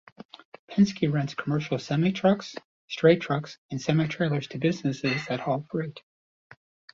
Penske rents commercial semi-trucks, straight trucks and semi-trailers to businesses that haul freight.